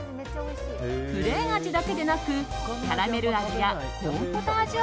プレーン味だけでなくキャラメル味やコーンポタージュ